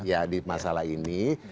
ya di masalah ini